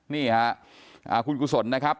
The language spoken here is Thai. นี่ค่ะคุณกุศลนะครับ